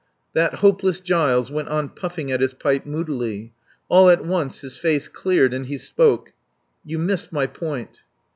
That hopeless Giles went on puffing at his pipe moodily. All at once his face cleared, and he spoke. "You missed my point."